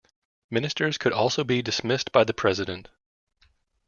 Ministers could also be dismissed by the President.